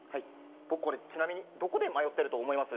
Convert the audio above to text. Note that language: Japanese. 僕これちなみにどこで迷ってると思います？